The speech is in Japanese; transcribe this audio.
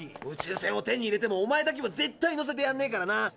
宇宙船を手に入れてもおまえだけは絶対乗せてやんねえからな。